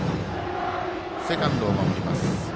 セカンドを守ります。